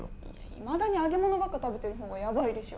いまだに揚げ物ばっか食べてる方がやばいでしょ。